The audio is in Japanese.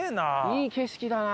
いい景色だな。